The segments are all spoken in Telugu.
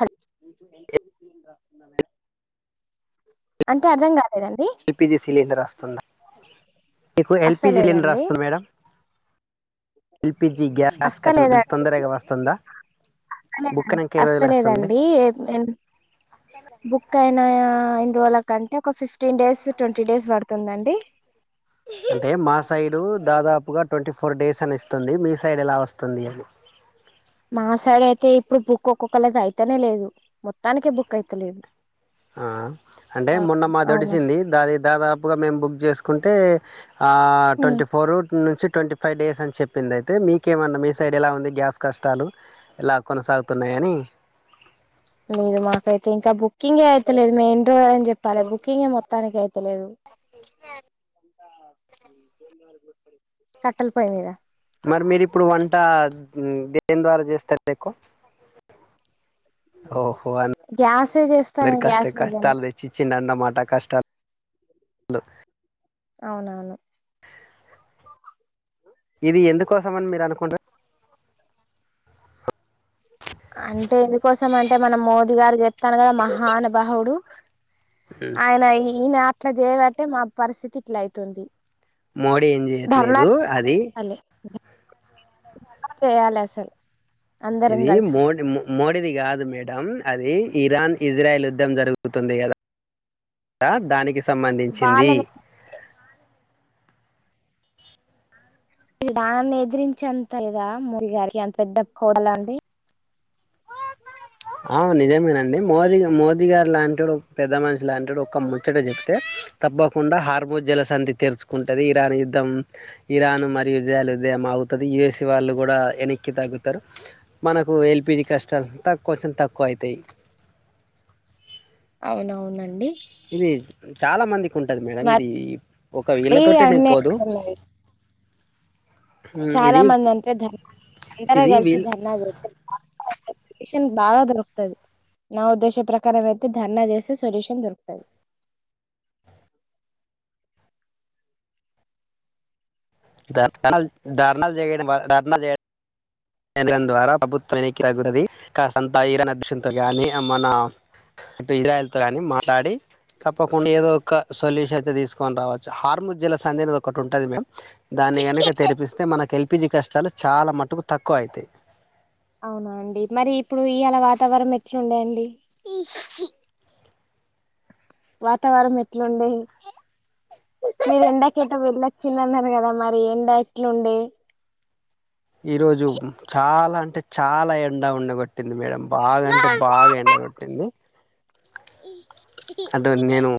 హల్ అంటే అర్థం కాలే ఎల్పిజీ సిలిండర్ వస్తుంద మీకు ఎల్పిజీ సిలిండర్ వస్తుంది మేడం ఎల్పిజి గ్యాస్ కనెక్షన్ అస్తలేదండీ తొందరగా వస్తుందా బుక్ అయినాక ఏ రోజులు వస్తుంది అస్తలేదండీ బుక్కయినా ఎన్ని రో అంటే ఒక ఫిఫ్టీన్ డేస్ ట్వంటీ డేస్ పడుతుందండి అంటే మా సైడూ దాదాపుగ ట్వంటీ ఫోర్ డేస్ అని ఇస్తుంది మీ సైడ్ ఎలా వస్తుంది అని మా సైడ్ అయితే ఇప్పుడు బుక్ ఒక్కొక్కళది అయితనే లేదు మొత్తానికే బుక్ అయితలేదు ఆ అంటే ఆ, మొన్న మాది అవును ఒడిచింది దాది దాదాపుగా మేము బుక్ చేసుకుంటే ఆ ఉమ్, ట్వంటీ ఫోరు నుంచి ట్వంటీ ఫైవ్ డేస్ అని చెప్పింది అయితే మీకేమన్న మీ సైడ్ ఎలా ఉంది గ్యాస్ కష్టాలు ఎలా కొనసాగుతున్నాయని లేదు మాకైతే ఇంకా బుక్ కింగే అయితలేదు మెయిన్ టే చెప్పాలి బుకింగ్ ఏ మొత్తానికి అయితే తెలియదు మరి మీరు ఇప్పుడు వంటా దేని ద్వారా చేస్తారు ఎక్కువ ఓహో అ గ్యాసే చేస్తా అందరి నేను కష్ట గ్యాస్ మీదనే కష్ట లు తెచ్చి ఇచ్చిండు అన్నమాట కష్ట డు అవునవును ఇది ఎందుకోసం అని మీరు అనుకునా అంటే ఎందుకోస అంటే మనం మోదీ గారు చెప్ తరావన మహానుబావుడు ఆయన ఈనా ఇట్లా చేయవట్టే మా పరిస్థితి ఇట్ల అయితుంది మోడీ ఏం ధర్నా చేయట్లేదు అది చేయాలి చేయాలి అసలు అందరం ఇది కలిసి మోడ్ మోడిది కాదు మే అది ఇరాన్ ఇజ్రాయల్ యుద్ధం జరుగుతుంది కదా దానికి సంబంధించింది వాళ్ళని ఎదిరించే దాని ఎదిరించే ఎంత లేదా మూడి గారికి అంత పెద్ద [unintelligible] అండి అ మోది మోదీ గారు లాంటి వా పెద్ద మనిషి లాంటి వాడు ఒ ముచ్చట చెప్తే, తప్పకుండా హార్మో జలసధి తెరుచుకుంటుంది, ఇరాన్ యుద్ధం ఇరాన్ మరియు జాలద అవుతుంది యువసీ వాళ్ళు కూడా వెనక్కి తగ్గుతారు, మనకు ఎల్పిజీ కష్టాల కొంచం తక్కువ అయితాయ్ అవునవునండి ఇది చాలా మంది ఉంటది మేడం ఇది మరి ఒక వీళ్ళ తొటనే అన్నీ పోదు ఉన్నాయి చాలా ఇది మంది అంతే ధన్ అందరూ ఇది కలిసి వీళ్ ధర్నా చే సొల్యూషన్ బాగా దొరుకుతది, నా ఉద్దేశ ప్రకారం అయితే ధర్నా చేస్తే సొల్యూషన్ దొరుకుతది. ధర్నా ధర్నా చేయడం ధర్నా చేడం చేయడం ద్వారా ప్రభుత్వం వెనక్కి తగ్గాతది కసంత ఐరన్ అదృష్టంతో గాని ఇజ్రాయిల్ తో గాని మాట్లాడి తప్పకుండా ఏదో ఒక సొల్యూషన్ అయితే తీసుకొని రావచ్చు హా జల్లా [unintelligible] ఒకటి ఉంటది మ్యామ్ దాన్ని కనుక తెరిపిస్తే మనకి హెల్ప్ ఎల్ పి జి కష్టాలు చాలా మటుకు తక్కువ అయితాయ్ అవునా అండి మరి ఇప్పుడు ఇయాల వాతావరణం ఎట్లా ఉండే అండి వాతావరం ఎట్లుండే మీరు ఎండాకటా వెళ్ళొచ్చింది అన్నారు కదా మరి ఎండా ఎట్లుంది ఈరోజు చాలా అంటే చాలా ఎండ ఉండ గొట్టింది మేడం బాగాంటే బాగా ఎండగొట్టింది అటు నేను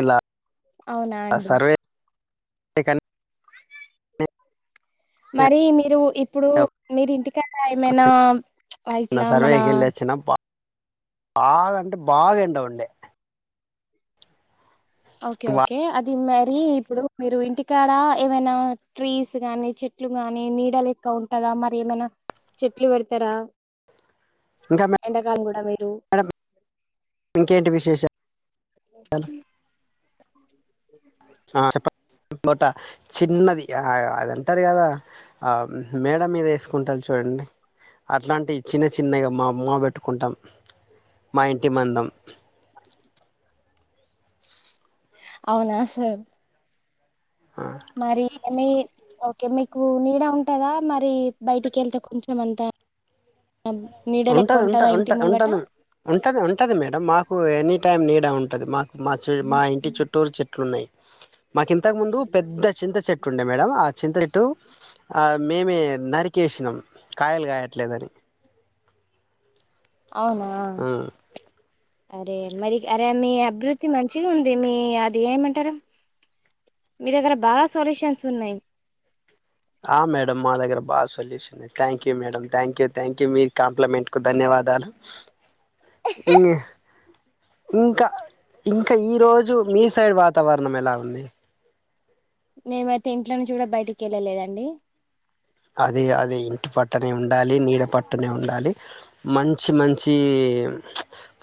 ఇలా అవునా అండి ఇకన్ మరి మీరు ఇప్పుడు మీరి ఇంటికడ ఒక ఏమైనా వా చిన్న ఇట్లా మన సర్వేకి వెళ్ళొచ్చిన బాగా అంటే బాగాఎండవుండే ఓకే బా- ఓకే అది మ మరి ఇప్పుడు మీరు ఇంటికాడ ఏమైనా ట్రీస్ గానీ చెట్లు గానీ నీడలు ఎక్క్క ఉంటందా మరి ఏమైనా చెట్లు పెడతారా ఇంకా మ ఎండాకాలం కూడా మీరు మే ఇంకేంటి విశేషాలు ఆ చెప్ప పూట చిన్నది ఆ అదంటారు కదా ఆ మేడ మీద వేసుకుంటాది చూడండి అట్లాంటివి చిన్న చిన్నగా మా మమ్మ పెట్టుకుంటాం మా ఇంటి మందం అవునా సార్ మరి ఎన్ని ఓకే మీకు నీడ ఉంటదా మరి బయటికి వెళ్తే కొంచెం అంతా ఉంటది ఉంట ఉంట ఉంటది ఉంటది ఉంటది మేడం మాకు ఎనీ టైమ్ నీడ ఉంటు అది మా మా చ మా ఇంటి చుట్టూరు చెట్లు ఉంటాయి మాకు ఇంతకు ముందు పెద్ద చింత చెట్టు ఉండే మేడం ఆ చింత చెట్టు ఆ మేమే నరికేసినాం కాయలు కాయట్లేదని అవునా ఉమ్. అరే మరి అరే మీ అభివృద్ధి మంచిగా ఉంది మీ అది ఏమంటారుా మీ దగ్గర బాగా సొల్యూషన్స్ ఉన్నాయి ఆ మేడమ్ మా దగర best solution thank you madam thank you thank you య మీ కాంప్లిమెంటీ ధన్యవాదాలు ఇంకా ఇంకా ఈ రోజు మీ సైడ్ వా వాతావరణం ఎలా ఉంది మేమైతే ఇంట్లో నుంచి కూడా బయటికి వెళ్ళలేదండి అదే అదే ఇంటి పట్టునే ఉండాలి నీడ పట్టునే ఉండాలి మంచి మంచి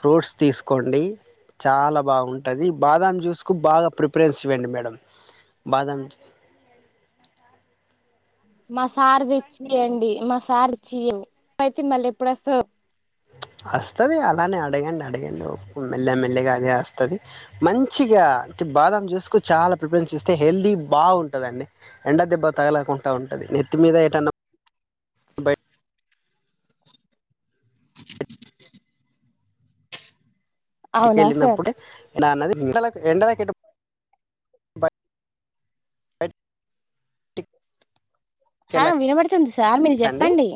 ఫ్రూట్స్ తీసుకోండి చాలా బాగుంటుంది బాదం జ్యూస్కు బాగా ప్రిఫరెన్స్ ఇవ్వండి మేడం బాదం మా సార్ తెచ్చి్యండి మా సార్చ్చియవుైతే మళ్ళీ ఎప్పుడు వస్త వస్తుంది అలానే అడగండి అడగండి మెల్లె మెల్లెగా అదే వస్తుంది మంచిగా బాదం చేూసుకుని చాలా ప్రిపరేషన్ చేస్తే హెల్తీ బాగుంటుందిండి ఎండ దెబ్బ తగకుండా ఉంటుంది నెత్తిమీద ఏటనా అవునా సార్ కళినప్పుడు అ ఎ బయ అ ఆ వినబడుతుంది సార్ మీరు వెళ్ళకండి చెప్పండి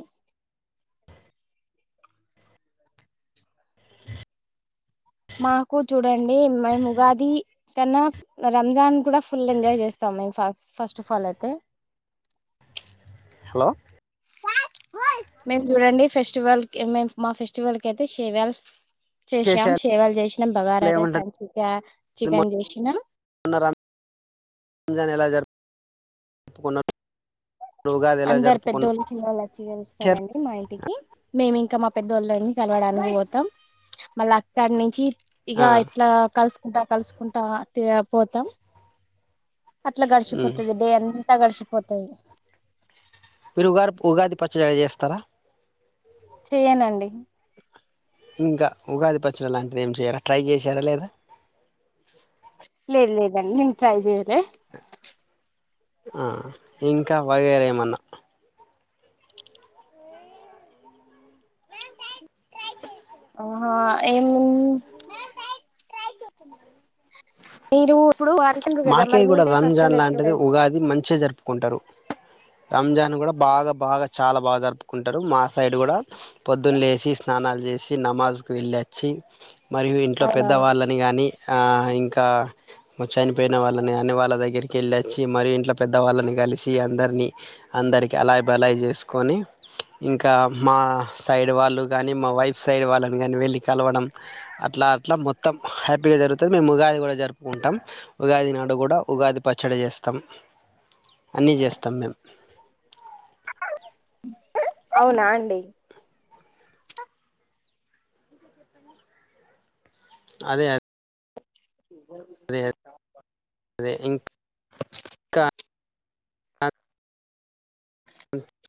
మాకు చూడండి మేము ఉగాది కన్నా రంజాన్ కూడా ఫుల్ ఎంజాయ్ చేస్తాం మేము ఫస్ట్ ఆఫ్ ఆల్ అయితే హలో మేం చూడండి ఫెస్టివల్ మే మా ఫెస్టివల్ క అయితే చేవల్ చేసాం విశేషాలు సేవలు చేసినాం ఏముంటది బగారంచిిక చికెన్ మొన్న చేసినా రంజాన్ ఎలా జరిప్పుకున్నా అందరు పెద్దవాళ్ళు చేర్- చిన్నవాళ్ళుచ్చిగలుస్తారండి మా ఇంటికి మేమింకా ఇంకా మా పెద్దోళ్ళని కలవడానికి పోతాం మళ్ళీ అక్కడ నుంచి ఇగ ఆ, ఇట్లా కలుసుకుంటా కలుసుకుంటా పోతాం అట్లా ఉమ్. గడిసిపోతుది డ ఎంత గడిసిపో కొట్టాయి మీరు ఉగా ఉగాది పచ్చ జడి చేస్తారా చెయనండి ఇంకా ఉగాది పచ్చడి లాంటిది ఏం చేయరా ట్రై చేశారా లేదా లే ఇ లేదండి నిం ట్రై దే ఆ ఇంకా వగేర ఏమన్నా ఆహా ఏం మీరు ఇప్పుడు అంటుండ్రు కదా మాకే మరి కూడా మీకే ఫస్ట్ రంజాన్ ఆల్ లాంటిది ఎట్లుంటది ఉగాది మంచిగా జరుపుకుంటారు రంజాన్ కూడా బాగా బాగా చాలా బాగా జరుపు కుంటారు మా సైడ్ కూడా పొద్దున్న లే చేసి స్నాలు చేసి నమాజ్కు వెళ్ళర్ చి మరియు ఇంట్లో అవునా పెద్దవాళ్ళని కానీ ఇంకా మచ్ చనిపోయిన వాళ్ళని అని వాళ్ళ దగ్గరికి వెళ్ళి వచ్చి మరియు ఇంట్లో పెద్ద వాళ్ళని కలిసి అందరినీ అందరికిీ అలాయి్ బలాయి్ చేసుకొని ఇంకా మా సైడ్ వాళ్ళు కానీ మా వైఫ్ సైడ్ వాళ్ళని కానీ వెళ్ళి కలవడం అట్లా అట్లా మొత్తం హ్యాపీగా జరుగుతుంది మేము ఉగాది కూడా జరుపుకుంటాం మ్ ఉగాది నాడు కూడా ఉగాది పచ్చడి చేస్తాం అన్నీ చేస్తాం మేము అవునా అండి అదే అద్ అదే అదే ఇంకా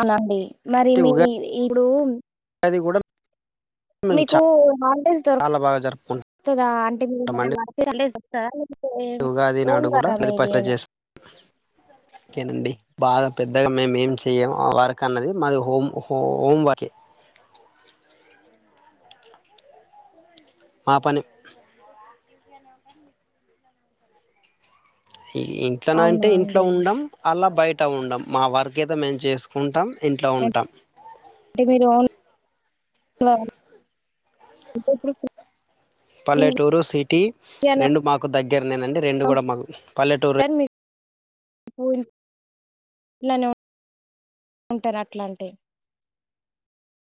అవునండి మరి అంటే మీ ఉగాది ఇప్పుడు కూడా మేము మీకు హాలిడేస్ చాలా బాగా జరుపుకుంటామండి. దొరకుతదా అంటే [inaudible] హాలడేస్ తాలు ఉగాది నాడు కూడా ప్రదిపష్ట చేస్ ఓకేనండి బాగా పెద్దగా మేము ఏం చెయ్యము వర్క్ అన్నది మాది హోం హోం వర్కే మా పని ఈ ఇంట్లోనా అవునా అంటే ఇంట్లో అండి ఉండం అలా బయట టా ఉండం మా వర్క్ అయితే మేము చేసుకుంటాం ఇంట్లో ఉంటాం అంటే మీరు ఓన్ [inaudible] పల్లెటూరు సిటీ ఫ్రీగానే రెండు మాకు దగ్ దగ్గర నేనండి రెండు కూడా మాకు పల్లెటూరే [unintelligible]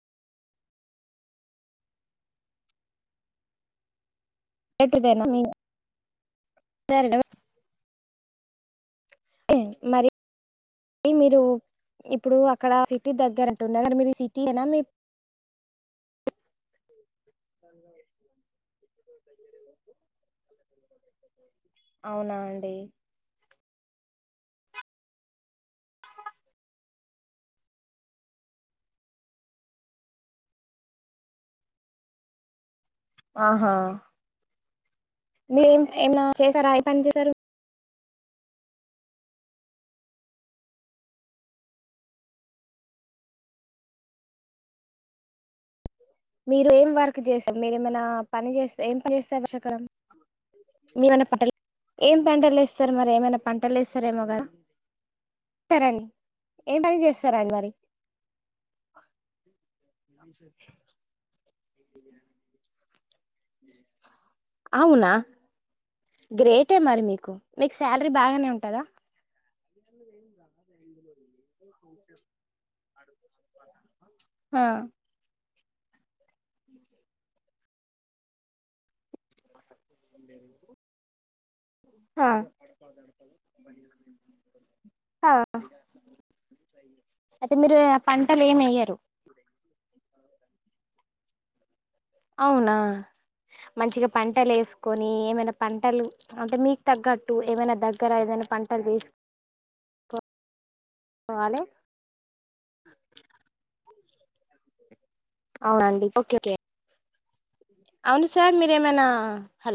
[unintelligible] మరి మీరు ఇప్పుడు అక్కడ సిటీ దగ్గర అంటున్నారు మీరు సిటీ ఏనా మీ [inaudible] అవునా అండి ఆహా మీరు ఏమ్ ఏమన్నా చేసారా ఏ పని చేసారు మీరు ఏం వర్క్ చేశారు మీరేమైనా పని చేస్తే ఏం పని చేస్తారు వర్షాకాలం ఏమైనా పంటలు ఏం పంటలు ఏస్తారు మరి ఏమైనా పంటలు వేస్తార ఏ పని చేస్తారండి ఏం పని చేస్తారా అండి మరి అవునా గ్రేటే మరి మీకు మీకు శాలరీ బాగానే ఉంటదా హా బా ఎందుకు హా ఆ అయితే మీరు పంటలు ఏమి ఎయ్యరు అవునా మంచిగా పంటలు ఏసుకొని ఏమైనా పంటలు అంటే మీకు తగ్గట్టు ఏమైనా దగ్గర ఏదైనా పంటలు వేసుకోవాలి అవునండి ఓకే ఒకే అవును సార్ మీరేమైనా హల్